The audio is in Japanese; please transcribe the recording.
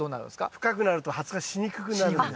深くなると発芽しにくくなるんです。